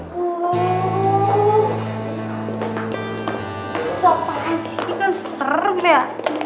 sopaknya ini kan serem ya